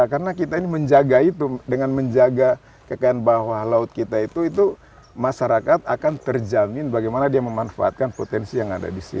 karena kita ini menjaga itu dengan menjaga kekayaan bawah laut kita itu masyarakat akan terjamin bagaimana dia memanfaatkan potensi yang ada di situ